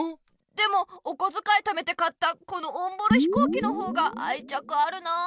でもおこづかいためて買ったこのオンボロひこうきの方があいちゃくあるなあ。